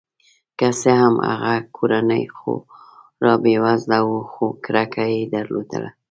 که څه هم هغه کورنۍ خورا بې وزله وه خو کرکه یې درلوده.